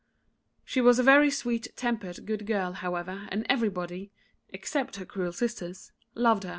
She was a very sweet tempered, good girl, however, and everybody (except her cruel sisters) loved her.